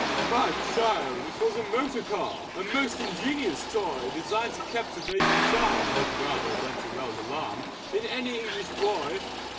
"My child, It was a Motor Car, A Most Ingenious Toy! Designed to Captivate and Charm Much rather than to rouse Alarm In any English Boy.